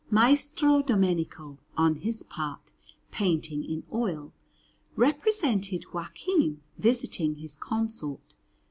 Maestro Domenico, on his part, painting in oil, represented Joachim visiting his consort S.